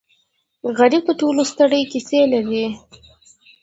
غریب د ټولو ستړې کیسې لري